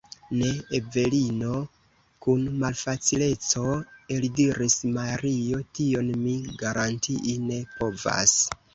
Ne, Evelino, kun malfacileco eldiris Mario, tion mi garantii ne povas.